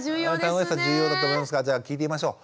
楽しさ重要だと思いますがじゃあ聞いてみましょう。